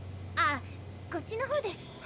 ああこっちのほうです。